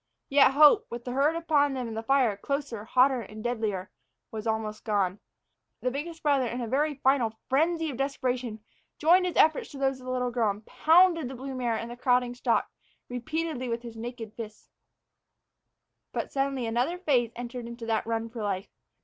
Yet hope with the herd upon them and the fire closer, hotter, and deadlier was almost gone. The biggest brother, in a very final frenzy of desperation, joined his efforts to those of the little girl, and pounded the blue mare and the crowding stock repeatedly with his naked fists. But suddenly another phase entered into that run for life.